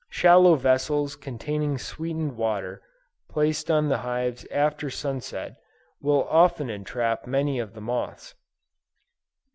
Shallow vessels containing sweetened water, placed on the hives after sunset, will often entrap many of the moths.